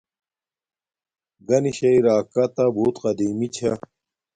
گنشݵ راکاتا بوت قدیمی چھا